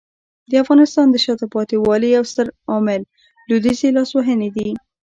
د افغانستان د شاته پاتې والي یو ستر عامل لویدیځي لاسوهنې دي.